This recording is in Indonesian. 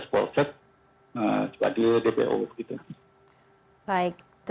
seperti dpo gitu